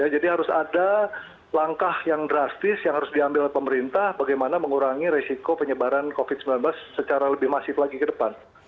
jadi harus ada langkah yang drastis yang harus diambil oleh pemerintah bagaimana mengurangi resiko penyebaran covid sembilan belas secara lebih masif lagi ke depan